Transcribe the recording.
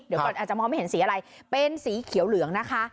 เดี๋ยวก่อนอาจจะมองไม่เห็นสีอะไรเป็นสีเขียวเหลืองนะคะ